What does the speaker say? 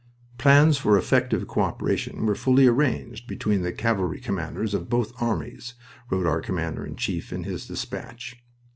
"Plans for effective co operation were fully arranged between the cavalry commanders of both armies," wrote our Commander in Chief in his despatch.